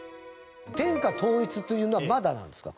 天下統一というのはまだなんですか？